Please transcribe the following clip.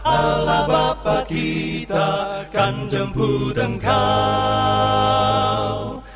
allah bapak kita akan jemput engkau